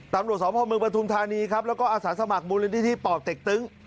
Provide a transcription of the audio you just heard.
ตำลวดสวมพลังเมืองปฐุมธานีครับแล้วก็อาสาสมัครมูลลินที่ที่ปอบเต็กตึ๊ง